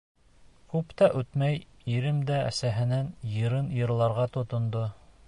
Күп тә үтмәй, ирем дә әсәһенең йырын йырларға тотондо.